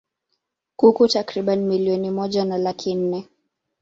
kuku takriban milioni moja na laki nne